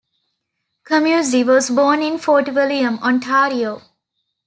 Comuzzi was born in Fort William, Ontario.